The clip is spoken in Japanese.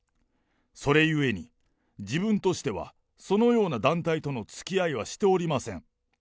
それゆえに自分としては、そのような団体とのつきあいはしておりません。